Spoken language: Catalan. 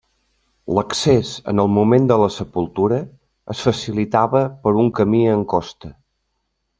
L'accés en el moment de la sepultura es facilitava per un camí en costa.